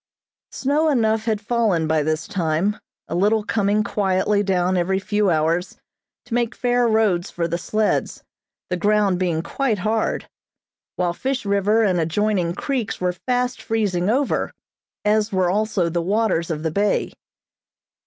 Snow enough had fallen by this time, a little coming quietly down every few hours, to make fair roads for the sleds, the ground being quite hard; while Fish River and adjoining creeks were fast freezing over, as were also the waters of the bay.